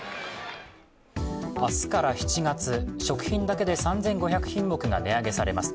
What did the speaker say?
明日から７月、食品だけで３５００品目が値上げされます。